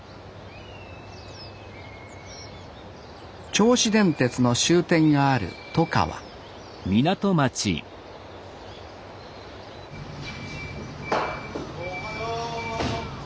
銚子電鉄の終点がある外川おはよう！